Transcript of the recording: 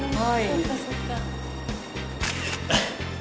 そっかそっか。